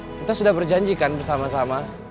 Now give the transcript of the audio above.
kita sudah berjanji kan bersama sama